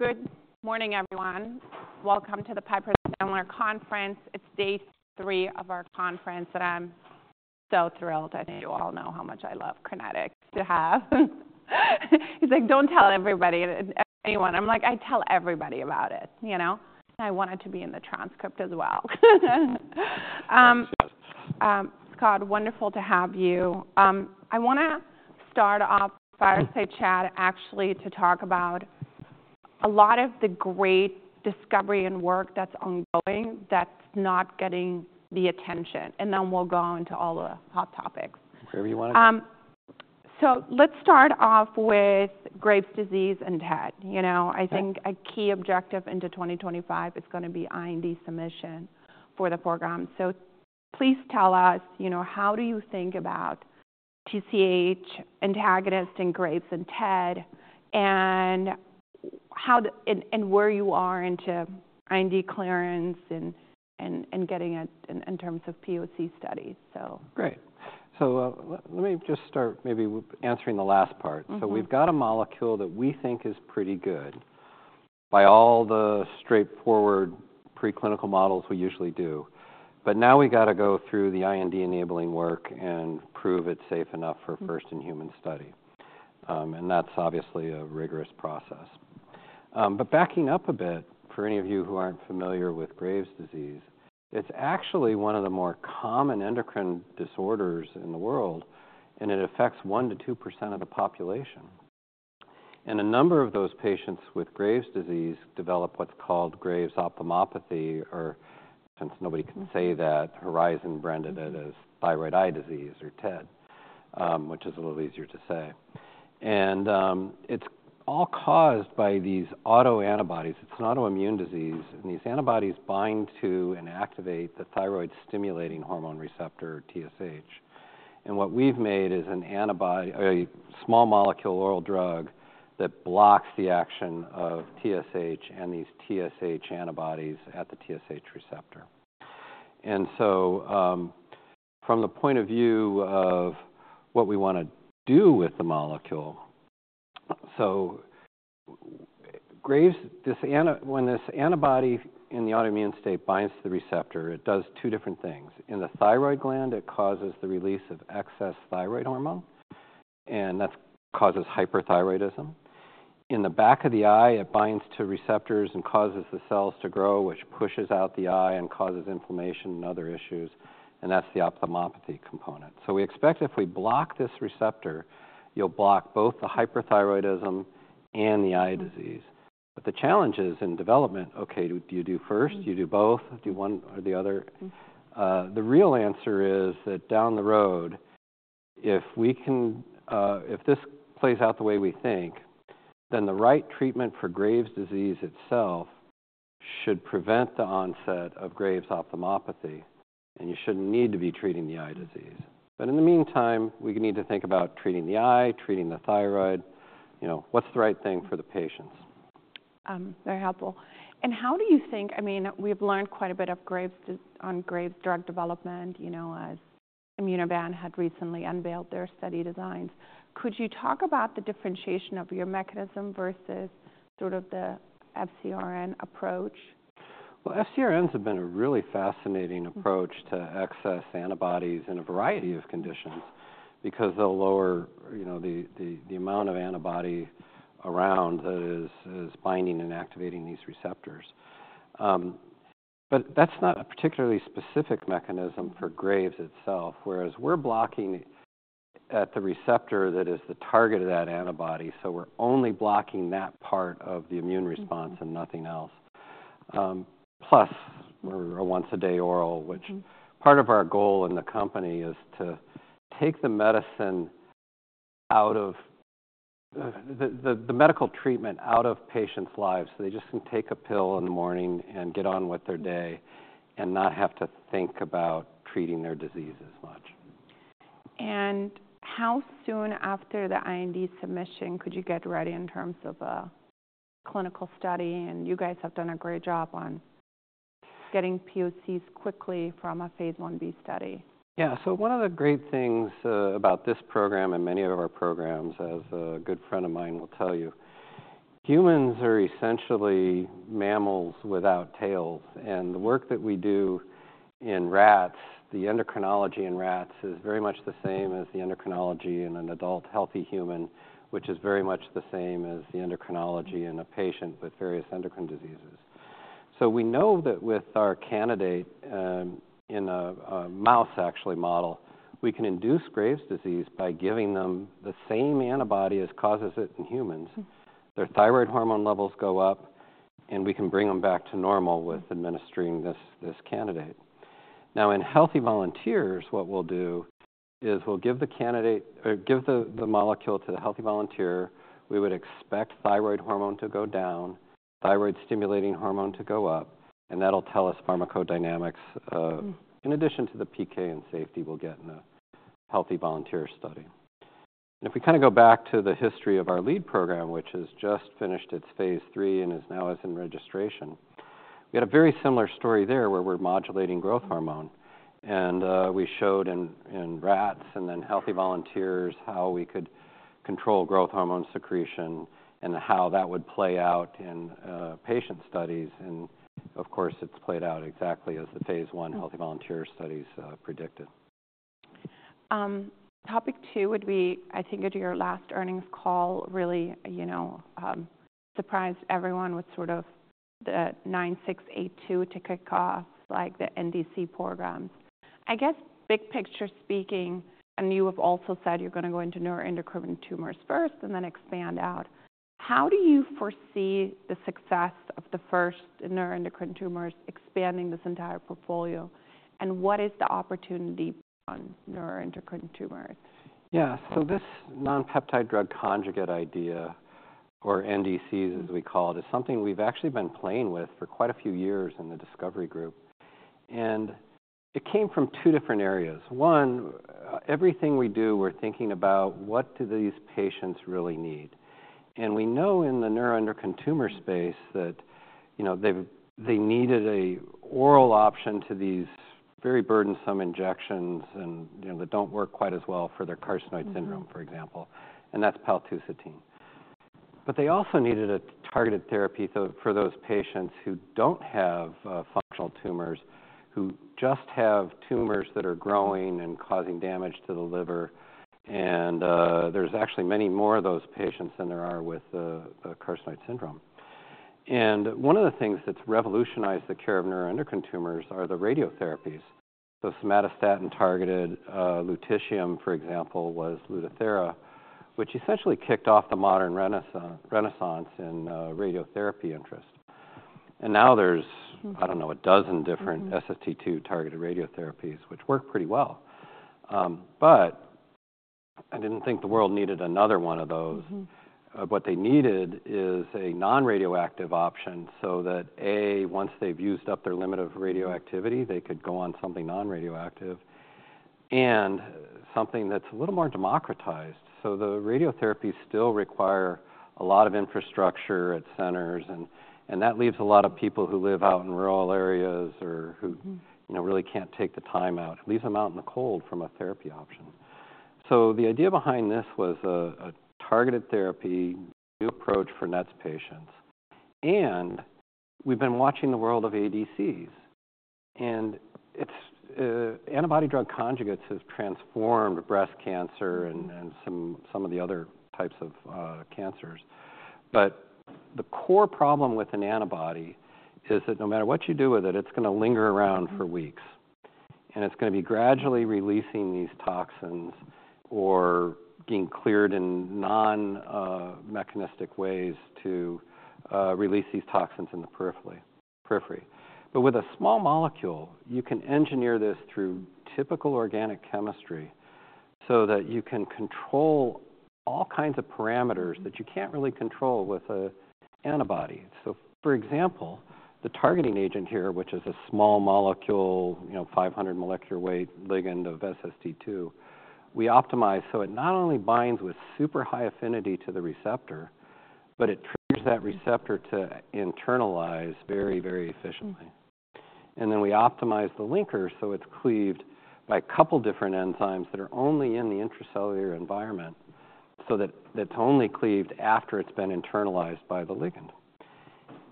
Good morning, everyone. Welcome to the Piper's annual conference. It's day three of our conference, and I'm so thrilled. I think you all know how much I love Crinetics. He's like, "Don't tell everybody," and I'm like, "I tell everybody about it," and I want it to be in the transcript as well. Scott, wonderful to have you. I want to start off the fireside chat, actually, to talk about a lot of the great discovery and work that's ongoing that's not getting the attention. Then we'll go into all the hot topics. Wherever you want to go. Let's start off with Graves' disease and TED. A key objective into 2025 is going to be IND submission for the program. Pease tell us, how do you think about TSH antagonist in Graves' and TED, and how and where you are into IND clearance and getting it in terms of POC studies, so. Great. Let me start answering the last part. We've got a molecule that we think is pretty good by all the straightforward preclinical models we usually do. But now we got to go through the IND enabling work and prove it's safe enough for first-in-human study. That's obviously a rigorous process. But backing up a bit, for any of you who aren't familiar with Graves' disease, it's actually one of the more common endocrine disorders in the world, and it affects 1%-2% of the population. A number of those patients with Graves' disease develop what's called Graves' ophthalmopathy, or since nobody can say that, Horizon branded it as thyroid eye disease or TED, which is a little easier to say. It's all caused by these autoantibodies. It's an autoimmune disease, and these antibodies bind to and activate the thyroid-stimulating hormone receptor, TSH, and what we've made is an antibody or a small molecule oral drug that blocks the action of TSH and these TSH antibodies at the TSH receptor, and so from the point of view of what we want to do with the molecule, so Graves' when this antibody in the autoimmune state binds to the receptor, it does two different things. In the thyroid gland, it causes the release of excess thyroid hormone, and that causes hyperthyroidism. In the back of the eye, it binds to receptors and causes the cells to grow, which pushes out the eye and causes inflammation and other issues, and that's the ophthalmopathy component, so we expect if we block this receptor, you'll block both the hyperthyroidism and the eye disease. The challenge is in development, okay. Do you do first? Do you do both? Do one or the other? The real answer is that down the road, if we can, if this plays out the way we think, then the right treatment for Graves' disease itself should prevent the onset of Graves' ophthalmopathy, and you shouldn't need to be treating the eye disease. But in the meantime, we need to think about treating the eye, treating the thyroid. What's the right thing for the patients? Very helpful. How do you think I mean, we've learned quite a bit on Graves' drug development, as Immunovant had recently unveiled their study designs. Could you talk about the differentiation of your mechanism versus sort of the FcRn approach? FcRns have been a really fascinating approach to access antibodies in a variety of conditions because they'll lower, the amount of antibody around that is binding and activating these receptors. But that's not a particularly specific mechanism for Graves' itself, whereas we're blocking at the receptor that is the target of that antibody, so we're only blocking that part of the immune response and nothing else. Plus, we're a once-a-day oral, which part of our goal in the company is to take the medicine out of the medical treatment out of patients' lives so they just can take a pill in the morning and get on with their day and not have to think about treating their disease as much. How soon after the IND submission could you get ready in terms of a clinical study? You guys have done a great job on getting POCs quickly from a phase 1b study. One of the great things about this program and many of our programs, as a good friend of mine will tell you, humans are essentially mammals without tails, and the work that we do in rats, the endocrinology in rats, is very much the same as the endocrinology in an adult healthy human, which is very much the same as the endocrinology in a patient with various endocrine diseases. We know that with our candidate in a mouse, actually, model, we can induce Graves' disease by giving them the same antibody as causes it in humans. Their thyroid hormone levels go up, and we can bring them back to normal with administering this candidate. Now, in healthy volunteers, what we'll do is we'll give the candidate or give the molecule to the healthy volunteer. We would expect thyroid hormone to go down, thyroid-stimulating hormone to go up, and that'll tell us pharmacodynamics in addition to the PK and safety we'll get in a healthy volunteer study. If we kind of go back to the history of our lead program, which has just finished its phase 3 and is now in registration, we had a very similar story there where we're modulating growth hormone. We showed in rats and then healthy volunteers how we could control growth hormone secretion and how that would play out in patient studies. Of course, it's played out exactly as the phase 1 healthy volunteer studies predicted. Topic 2 would be, I think, at your last earnings call, really surprised everyone with sort of the 9682 to kick off, like, the NDC programs. I guess, big picture speaking, and you have also said you're going to go into neuroendocrine tumors first and then expand out. How do you foresee the success of the first neuroendocrine tumors expanding this entire portfolio, and what is the opportunity beyond neuroendocrine tumors? This non-peptide drug conjugate idea, or NDCs as we call it, is something we've actually been playing with for quite a few years in the discovery group. It came from two different areas. One, everything we do, we're thinking about what do these patients really need. We know in the neuroendocrine tumor space that they needed an oral option to these very burdensome injections and, that don't work quite as well for their carcinoid syndrome, for example. That's paltusotine. But they also needed a targeted therapy for those patients who don't have functional tumors, who just have tumors that are growing and causing damage to the liver. There's actually many more of those patients than there are with the carcinoid syndrome. One of the things that's revolutionized the care of neuroendocrine tumors are the radiotherapies. Somatostatin-targeted lutetium, for example, was Lutathera, which essentially kicked off the modern renaissance in radiotherapy interest. Now there's, I don't know, a dozen different SST2-targeted radiotherapies, which work pretty well. But I didn't think the world needed another one of those. What they needed is a non-radioactive option. Once they've used up their limit of radioactivity, they could go on something non-radioactive and something that's a little more democratized. The radiotherapies still require a lot of infrastructure at centers, and that leaves a lot of people who live out in rural areas or who really can't take the time out, leaves them out in the cold from a therapy option. The idea behind this was a targeted therapy, new approach for NETs patients. We've been watching the world of ADCs. Antibody drug conjugates have transformed breast cancer and some of the other types of cancers. The core problem with an antibody is that no matter what you do with it, it's going to linger around for weeks. It's going to be gradually releasing these toxins or being cleared in non-mechanistic ways to release these toxins in the periphery. With a small molecule, you can engineer this through typical organic chemistry so you can control all kinds of parameters that you can't really control with an antibody. For example, the targeting agent here, which is a small molecule, 500 molecular weight ligand of SST2, we optimize so it not only binds with super high affinity to the receptor, but it triggers that receptor to internalize very, very efficiently. We optimize the linker so it's cleaved by a couple different enzymes that are only in the intracellular environment so it's only cleaved after it's been internalized by the ligand.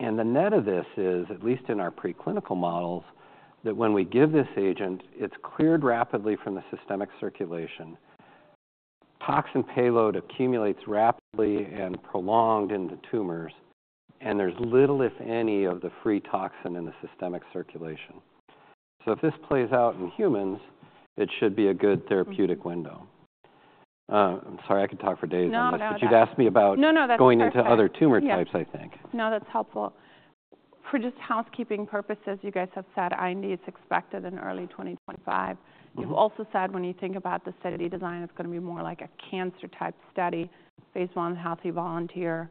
The net of this is, at least in our preclinical models, that when we give this agent, it's cleared rapidly from the systemic circulation. Toxin payload accumulates rapidly and prolonged into tumors, and there's little, if any, of the free toxin in the systemic circulation. If this plays out in humans, it should be a good therapeutic window. I'm sorry, I could talk for days on this, but you'd ask me about going into other tumor types, I think. That's helpful. For just housekeeping purposes, you guys have said IND is expected in early 2025. You've also said when you think about the study design, it's going to be more like a cancer-type study, phase 1 healthy volunteer.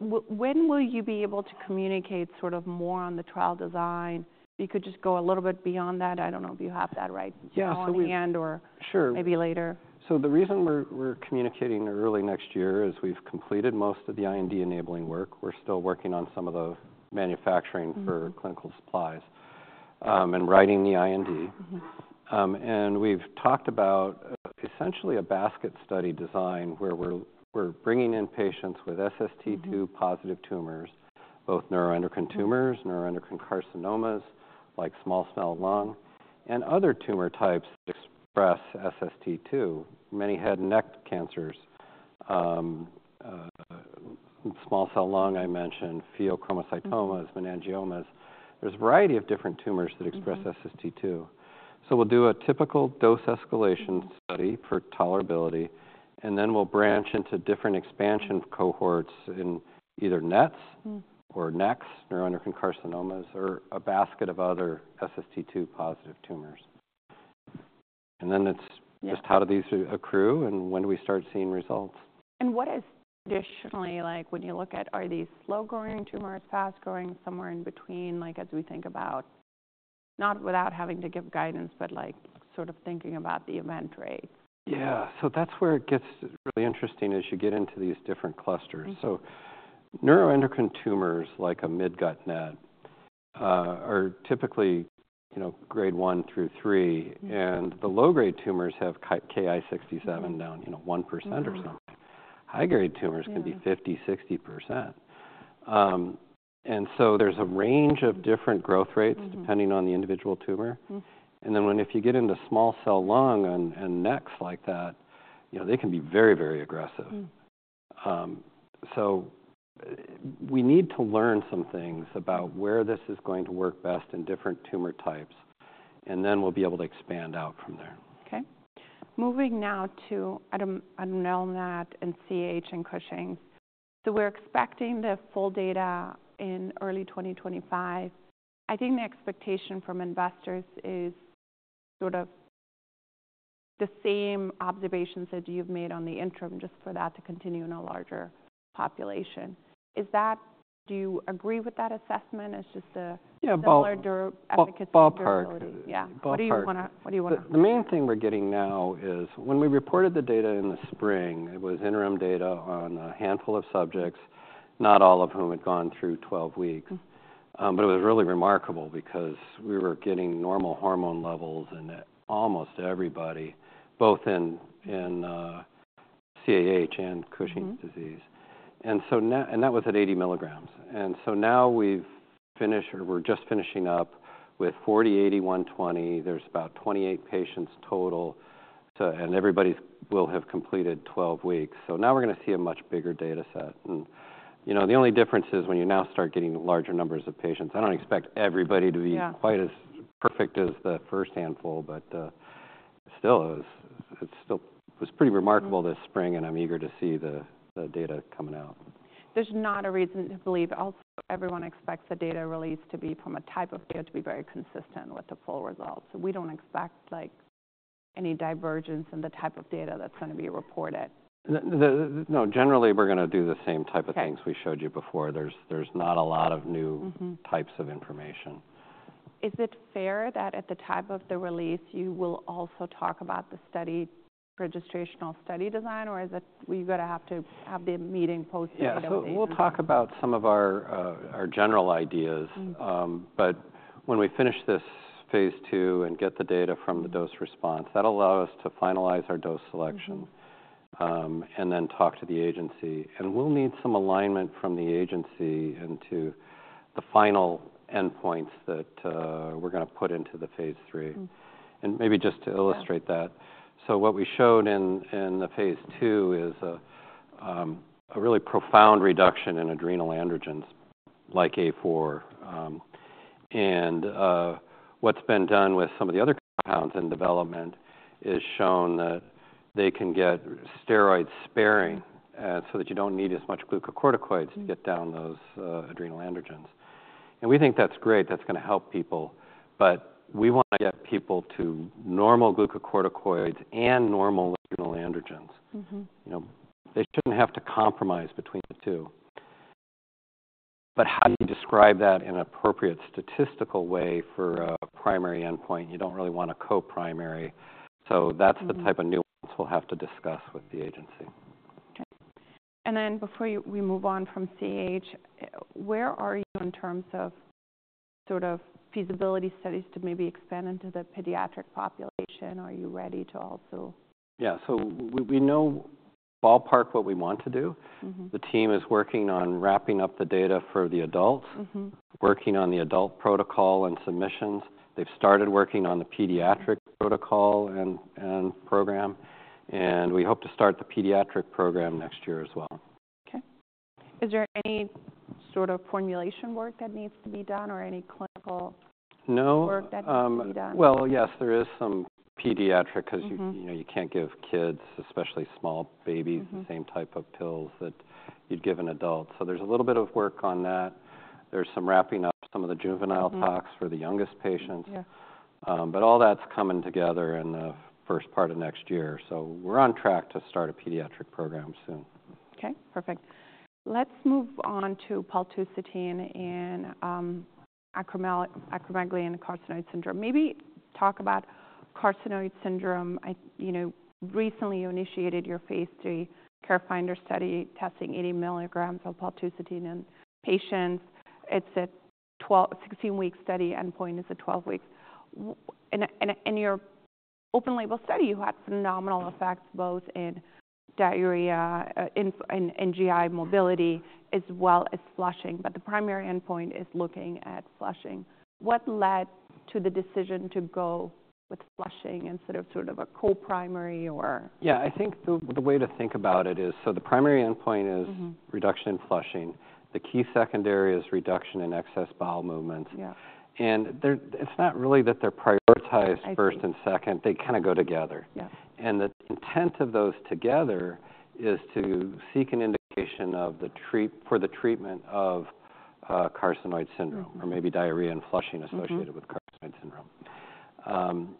When will you be able to communicate sort of more on the trial design? You could just go a little bit beyond that. I don't know if you have that right now at the end or maybe later. Sure. The reason we're communicating early next year is we've completed most of the IND enabling work. We're still working on some of the manufacturing for clinical supplies and writing the IND. We've talked about essentially a basket study design where we're bringing in patients with SST2-positive tumors, both neuroendocrine tumors, neuroendocrine carcinomas like small cell lung, and other tumor types that express SST2, many head and neck cancers, small cell lung, I mentioned, pheochromocytomas, meningiomas. There's a variety of different tumors that express SST2. We'll do a typical dose escalation study for tolerability, and then we'll branch into different expansion cohorts in either NETs or NECs, neuroendocrine carcinomas, or a basket of other SST2-positive tumors. Then it's just how do these accrue and when do we start seeing results. What is traditionally, like, when you look at, are these slow-growing tumors, fast-growing, somewhere in between, like, as we think about not without having to give guidance, but, like, sort of thinking about the event rate? That's where it gets really interesting as you get into these different clusters. Neuroendocrine tumors like a mid-gut NET are typically grade 1 through 3. The low-grade tumors have Ki-67 down to 1% or something. High-grade tumors can be 50%-60%. There's a range of different growth rates depending on the individual tumor. When you get into small cell lung and NECs like that, they can be very, very aggressive. We need to learn some things about where this is going to work best in different tumor types, we'll be able to expand out from there. Moving now to adrenal NET and CAH and Cushing's. We're expecting the full data in early 2025. I think the expectation from investors is sort of the same observations that you've made on the interim just for that to continue in a larger population. Is that? Do you agree with that assessment as just a smaller derivative? Yeah, ballpark. Yeah. What do you want to? The main thing we're getting now is when we reported the data in the spring, it was interim data on a handful of subjects, not all of whom had gone through 12 weeks. But it was really remarkable because we were getting normal hormone levels in almost everybody, both in CAH and Cushing's disease. hat was at 80 milligrams. Now we've finished or we're just finishing up with 40, 80, 120. There's about 28 patients total. Everybody will have completed 12 weeks. Now we're going to see a much bigger data set. The only difference is when you now start getting larger numbers of patients. I don't expect everybody to be quite as perfect as the first handful, but still, it was pretty remarkable this spring, and I'm eager to see the data coming out. There's not a reason to believe also everyone expects the data released to be from a type of data to be very consistent with the full results. We don't expect, like, any divergence in the type of data that's going to be reported. Generally we're going to do the same type of things we showed you before. There's not a lot of new types of information. Is it fair that at the time of the release you will also talk about the registrational study design, or is it you're going to have to have the meeting posted? We'll talk about some of our general ideas. But when we finish this phase 2 and get the data from the dose response, that'll allow us to finalize our dose selection and then talk to the agency. We'll need some alignment from the agency into the final endpoints that we're going to put into the phase III. To illustrate that, so what we showed in the phase 2 is a really profound reduction in adrenal androgens like A4. What's been done with some of the other compounds in development is shown that they can get steroid sparing so you don't need as much glucocorticoids to get down those adrenal androgens. We think that's great. That's going to help people. But we want to get people to normal glucocorticoids and normal adrenal androgens. They shouldn't have to compromise between the two. But how do you describe that in an appropriate statistical way for a primary endpoint? You don't really want a co-primary. That's the type of nuance we'll have to discuss with the agency. Before we move on from CAH, where are you in terms of sort of feasibility studies to maybe expand into the pediatric population? Are you ready to also? Yeah. We know ballpark what we want to do. The team is working on wrapping up the data for the adults, working on the adult protocol and submissions. They've started working on the pediatric protocol and program. We hope to start the pediatric program next year as well. Is there any sort of formulation work that needs to be done or any clinical work that needs to be done? Yes, there is some pediatric because you can't give kids, especially small babies, the same type of pills that you'd give an adult. There's a little bit of work on that. There's some wrapping up some of the juvenile tox for the youngest patients. But all that's coming together in the first part of next year. We're on track to start a pediatric program soon. Perfect. Let's move on to paltusotine and acromegaly and carcinoid syndrome. Maybe talk about carcinoid syndrome. Recently you initiated your phase 3 CAREFNDR study testing 80 milligrams of paltusotine in patients. It's a 16-week study. Endpoint is a 12-week. In your open-label study, you had phenomenal effects both in diarrhea and GI motility as well as flushing. But the primary endpoint is looking at flushing. What led to the decision to go with flushing instead of sort of a co-primary or? The way to think about it is, so the primary endpoint is reduction in flushing. The key secondary is reduction in excess bowel movements. It's not really that they're prioritized first and second. They kind of go together. The intent of those together is to seek an indication for the treatment of carcinoid syndrome or maybe diarrhea and flushing associated with carcinoid syndrome.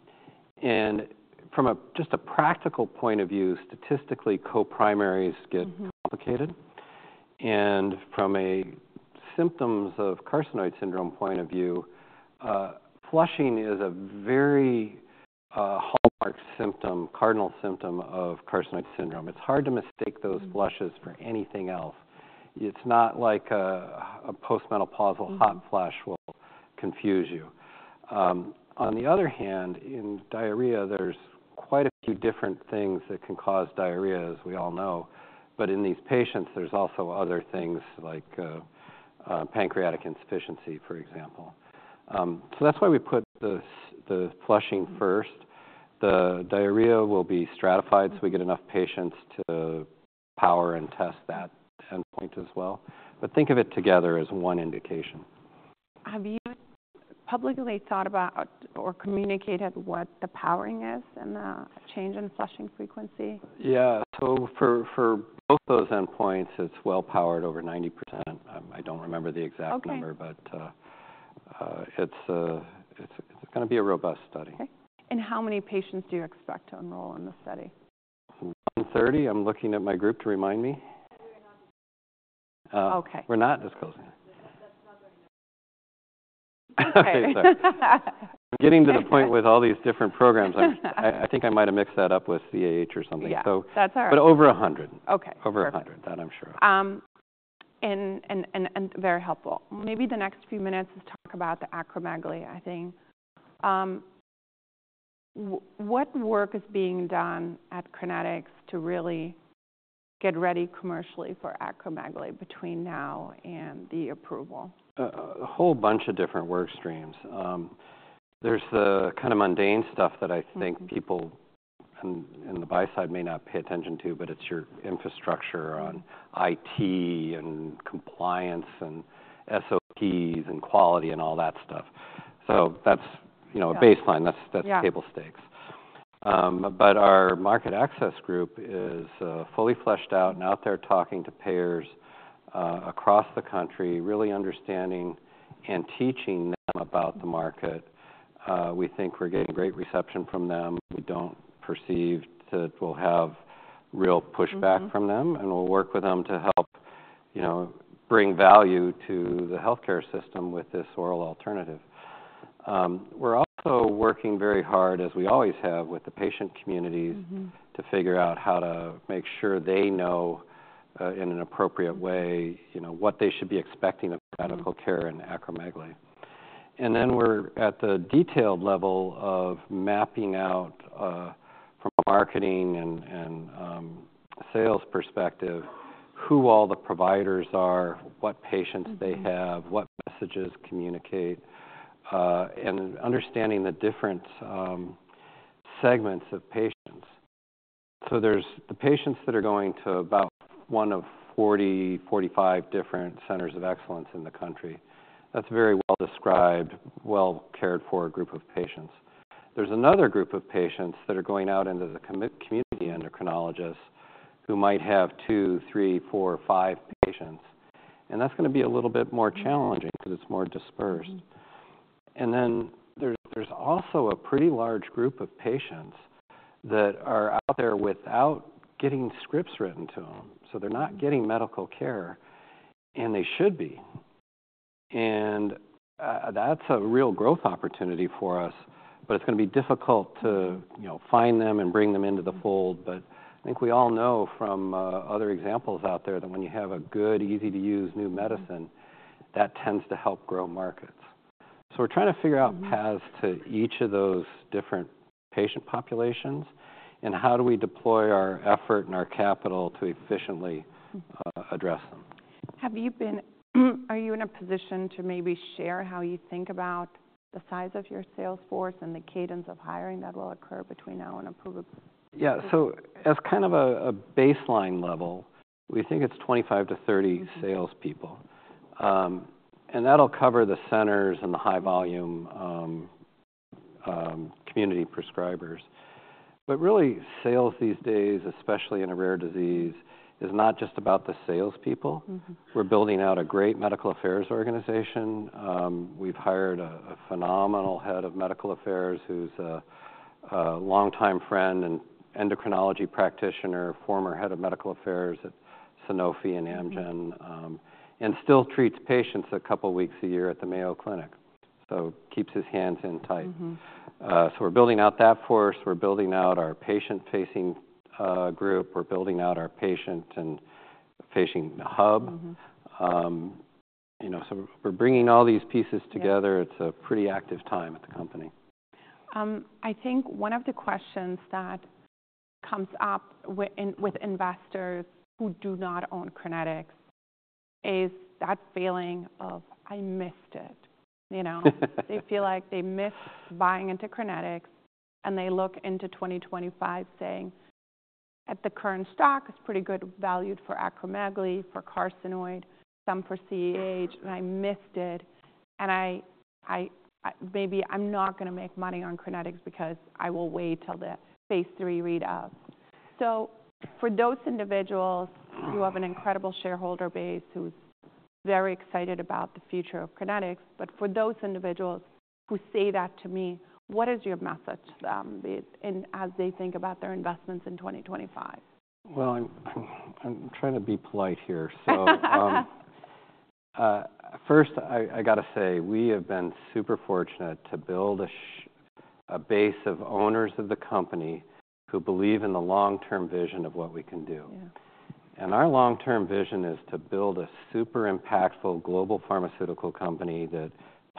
From just a practical point of view, statistically co-primary is getting complicated. From a symptoms of carcinoid syndrome point of view, flushing is a very hallmark symptom, cardinal symptom of carcinoid syndrome. It's hard to mistake those flushes for anything else. It's not like a postmenopausal hot flash will confuse you. On the other hand, in diarrhea, there's quite a few different things that can cause diarrhea, as we all know. But in these patients, there's also other things like pancreatic insufficiency, for example. That's why we put the flushing first. The diarrhea will be stratified so we get enough patients to power and test that endpoint as well. But think of it together as one indication. Have you publicly thought about or communicated what the powering is in the change in flushing frequency? Yeah. For both those endpoints, it's well powered over 90%. I don't remember the exact number, but it's going to be a robust study. How many patients do you expect to enroll in the study? I'm looking at my group to remind me. Okay. We're not disclosing. I'm getting to the point with all these different programs. I think I might have mixed that up with CAH or something. That's all right. Over 100. Over 100. That I'm sure of. Very helpful. Maybe the next few minutes is talk about the acromegaly, I think. What work is being done at Crinetics to really get ready commercially for acromegaly between now and the approval? A whole bunch of different work streams. There's the kind of mundane stuff that I think people in the buy side may not pay attention to, but it's your infrastructure on IT and compliance and SOPs and quality and all that stuff. That's a baseline. That's table stakes. But our market access group is fully fleshed out and out there talking to payers across the country, really understanding and teaching them about the market. We think we're getting great reception from them. We don't perceive that we'll have real pushback from them, and we'll work with them to help bring value to the healthcare system with this oral alternative. We're also working very hard, as we always have, with the patient communities to figure out how to make sure they know in an appropriate way, what they should be expecting of medical care and acromegaly. Then we're at the detailed level of mapping out from a marketing and sales perspective who all the providers are, what patients they have, what messages communicate, and understanding the different segments of patients. There's the patients that are going to about one of 40, 45 different centers of excellence in the country. That's a very well-described, well-cared-for group of patients. There's another group of patients that are going out into the community endocrinologists who might have two, three, four, five patients. That's going to be a little bit more challenging because it's more dispersed. There's also a pretty large group of patients that are out there without getting scripts written to them. They're not getting medical care, and they should be. That's a real growth opportunity for us. But it's going to be difficult to find them and bring them into the fold. But I think we all know from other examples out there that when you have a good, easy-to-use new medicine, that tends to help grow markets. We're trying to figure out paths to each of those different patient populations and how do we deploy our effort and our capital to efficiently address them. Are you in a position to maybe share how you think about the size of your sales force and the cadence of hiring that will occur between now and approval? As kind of a baseline level, we think it's 25 to 30 salespeople. That'll cover the centers and the high-volume community prescribers. But really, sales these days, especially in a rare disease, is not just about the salespeople. We're building out a great medical affairs organization. We've hired a phenomenal head of medical affairs who's a longtime friend and endocrinology practitioner, former head of medical affairs at Sanofi and Amgen, and still treats patients a couple of weeks a year at the Mayo Clinic keeps his hands in tight. We're building out that force. We're building out our patient-facing group. We're building out our patient and patient hub. We're bringing all these pieces together. It's a pretty active time at the company. I think one of the questions that comes up with investors who do not own Crinetics is that feeling of, "I missed it." They feel like they missed buying into Crinetics, and they look into 2025 saying, "At the current stock, it's pretty good valued for acromegaly, for carcinoid, some for CAH, and I missed it. I'm not going to make money on Crinetics because I will wait till the phase 3 readouts." For those individuals who have an incredible shareholder base who's very excited about the future of Crinetics, but for those individuals who say that to me, what is your message to them as they think about their investments in 2025? I'm trying to be polite here. First, I got to say we have been super fortunate to build a base of owners of the company who believe in the long-term vision of what we can do. Our long-term vision is to build a super impactful global pharmaceutical company that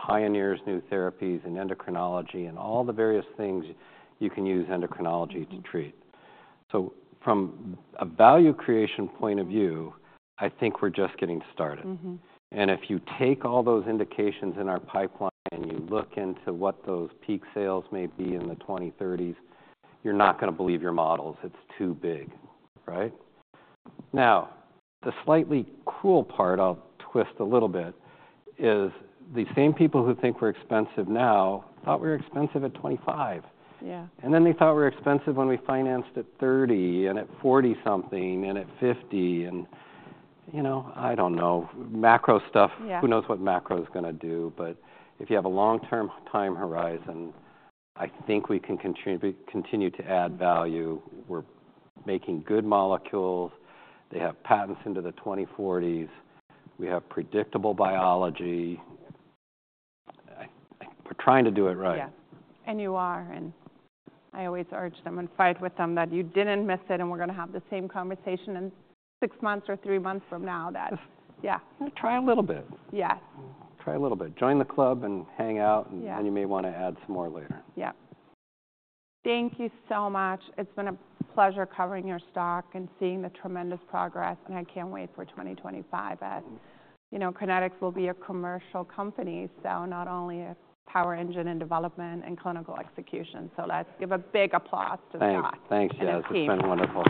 pioneers new therapies in endocrinology and all the various things you can use endocrinology to treat. From a value creation point of view, I think we're just getting started. If you take all those indications in our pipeline and you look into what those peak sales may be in the 2030s, you're not going to believe your models. It's too big, right? Now, the slightly cruel part, I'll twist a little bit, is the same people who think we're expensive now thought we were expensive at 25. Yeah. Then they thought we were expensive when we financed at 30 and at 40-something and at 50. I don't know. Macro stuff, who knows what macro is going to do. If you have a long-term time horizon, I think we can continue to add value. We're making good molecules. They have patents into the 2040s. We have predictable biology. We're trying to do it right. You are. I always urge them and fight with them that you didn't miss it, and we're going to have the same conversation in six months or three months from now that. Try a little bit. Yeah. Try a little bit. Join the club and hang out, and then you may want to add some more later. Thank you so much. It's been a pleasure covering your stock and seeing the tremendous progress. I can't wait for 2025. Crinetics will be a commercial company, so not only a power engine in development and clinical execution. Let's give a big applause to that. Thanks, Yas. It's been wonderful.